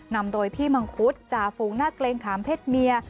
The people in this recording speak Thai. นำโดยพี่มังคุดจ่าฝูงหน้าเกรงขามเพศเมีย